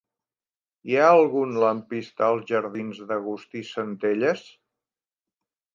Hi ha algun lampista als jardins d'Agustí Centelles?